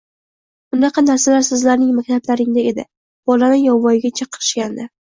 Unaqa narsalar sizlarning maktablaringda edi, bolani yovvoyiga chiqarishgandi.